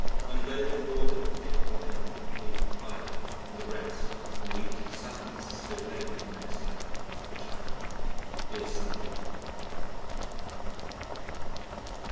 Vandover boarded the Cape Horner in company with the pilot and the rest and reached San Francisco late on the next day, which happened to be a Sunday.